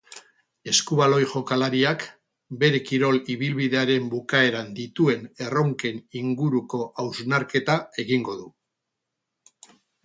Eskubaloi jokalariak bere kirol ibilbidearen bukaeran dituen erronken inguruko hausnarketa egingo du.